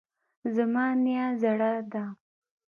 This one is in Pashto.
زما نیا زړه ده